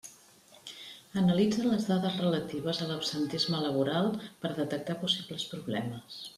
Analitza les dades relatives a l'absentisme laboral per detectar possibles problemes.